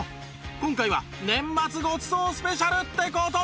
今回は年末ごちそうスペシャルって事で